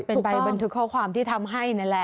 เป็นใบบันทึกข้อความที่ทำให้นั่นแหละ